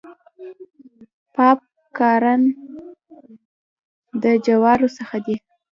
پاپ کارن د جوارو څخه دی.